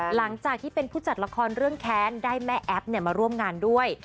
หลังจากที่เป็นผู้จัดละครเรื่องแค้นได้แม่แอ๊บมาร่วมงานด้วย